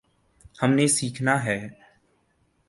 ہم نے سیکھنا ہے۔